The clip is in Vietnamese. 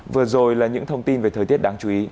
vừa rồi là những thông tin về thời tiết đáng chú ý